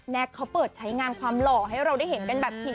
เขาเปิดใช้งานความหล่อให้เราได้เห็นกันแบบถี่